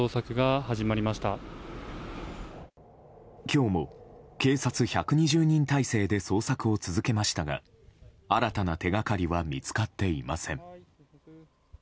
今日も、警察１２０人態勢で捜索を続けましたが新たな手掛かりは見つかっていません。